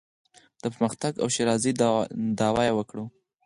د پرمختګ او ښېرازۍ دعوا یې وکړو.